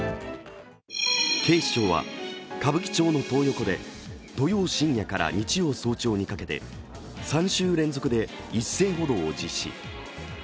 警視庁は歌舞伎町のトー横で土曜深夜から日曜早朝にかけて３週連続で一斉補導を実施。